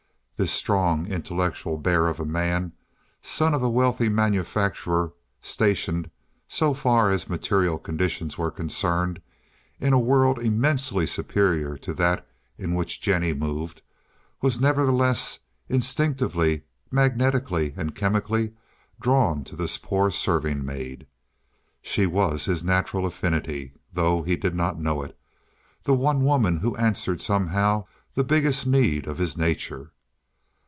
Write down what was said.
This strong, intellectual bear of a man, son of a wealthy manufacturer, stationed, so far as material conditions were concerned, in a world immensely superior to that in which Jennie moved, was, nevertheless, instinctively, magnetically, and chemically drawn to this poor serving maid. She was his natural affinity, though he did not know it—the one woman who answered somehow the biggest need of his nature.